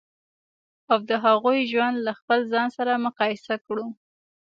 او د هغوی ژوند له خپل ځان سره مقایسه کړو.